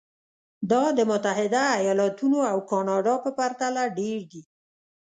دا د متحده ایالتونو او کاناډا په پرتله ډېر دي.